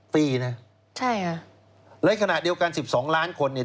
ฟรีนะใช่ค่ะในขณะเดียวกัน๑๒ล้านคนเนี่ย